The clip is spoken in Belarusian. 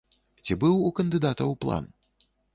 Ці быў у кандыдатаў план?